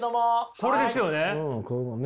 これですよね？